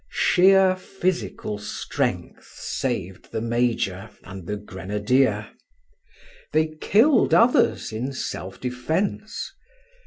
Sheer physical strength saved the major and the grenadier. They killed others in self defence.